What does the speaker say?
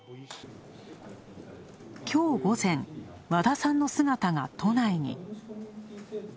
きょう午前、和田さんの姿が都内に。